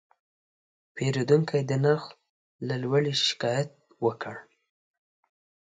پیرودونکی د نرخ له لوړې شکایت وکړ.